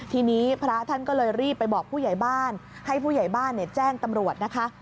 ทีนี้พระท่านก็เลยรีบไปบอกผู้ใหญ่บ้านให้ผู้ใหญ่บ้านแจ้งตำรวจนะคะ